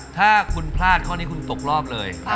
ถ้าคุณพลาดข้อนี้คุณตกรอบเลย